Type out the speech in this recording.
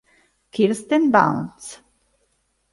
Kirsten Barnes